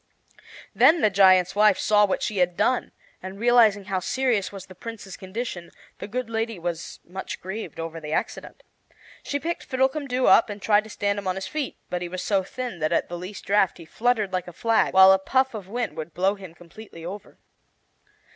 Then the giant's wife saw what she had done, and realizing how serious was the Prince's condition, the good lady was much grieved over the accident. She picked Fiddlecumdoo up and tried to stand him on his feet, but he was so thin that at the least draft he fluttered like a flag, while a puff of wind would blow him completely over.